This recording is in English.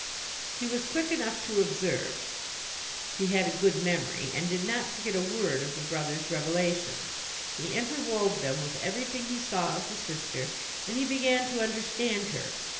He was quick enough to observe; he had a good memory, and did not forget a word of the brother's revelations. He interwove them with everything he saw of the sister, and he began to understand her.